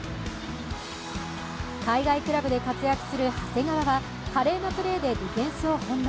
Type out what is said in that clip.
海外クラブで活躍する長谷川は、華麗なプレーでディフェンスを翻弄。